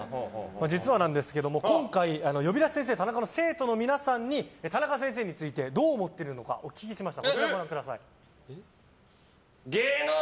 実は、今回「呼び出し先生タナカ」の生徒の皆さんに田中先生についてどう思っているのかお聞きしました。